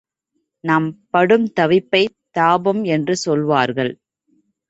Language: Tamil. நாம் படும் தவிப்பைத் தாபம் என்று சொல்வார்கள்.